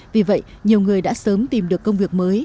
vì vậy nhiều người đã sớm tìm được công việc mới